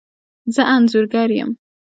زه انځورګر یم